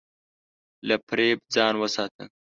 له فریب ځان وساته.